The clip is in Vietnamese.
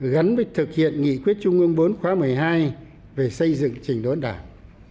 gắn với thực hiện nghị quyết trung ương bốn khóa một mươi hai về xây dựng trình đốn đảng